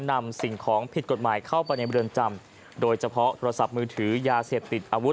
นำสิ่งของผิดกฎหมายเข้าไปในเรือนจำโดยเฉพาะโทรศัพท์มือถือยาเสพติดอาวุธ